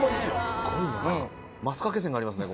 すっごいなますかけ線がありますね